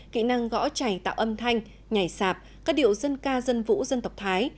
kỹ năng gõ chảy tạo âm thanh nhảy sạp các điệu dân ca dân vũ dân tộc thái